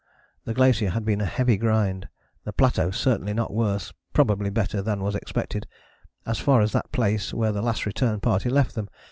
The glacier had been a heavy grind: the plateau certainly not worse, probably better, than was expected, as far as that place where the Last Return Party left them.